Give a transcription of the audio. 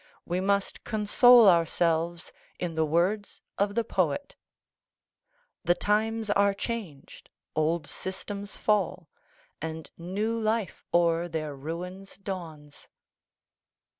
We must con sole ourselves in the words of the poet :* The times are changed, old systems fall, And new life o'er their ruins dawns."